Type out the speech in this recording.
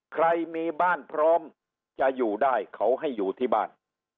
ใครมีบ้านพร้อมจะอยู่ได้เขาให้อยู่ที่บ้าน